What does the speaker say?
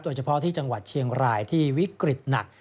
โดยเฉพาะที่จังหวัดเชียงรายที่วิกฤตหนัก